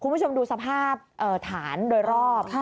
คุณผู้ชมดูสภาพฐานโดยรอบ